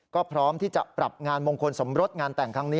ก็พร้อมที่จะปรับงานมงคลสมรสงานแต่งครั้งนี้